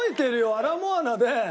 アラモアナで。